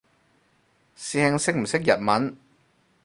師兄識唔識日文？